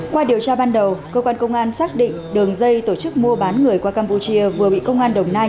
qua điều tra ban đầu cơ quan công an xác định đường dây tổ chức mua bán người qua campuchia vừa bị công an đồng nai